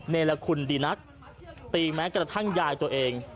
เนรคุณดีนักตีแม้กระทั่งยายตัวเอง